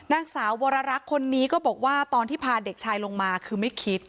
นางสาววรรักษ์คนนี้ก็บอกว่าตอนที่พาเด็กชายลงมาคือไม่คิด